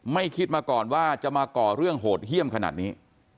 ไม่คิดมาก่อนว่าจะมาก่อเรื่องโหดเยี่ยมขนาดนี้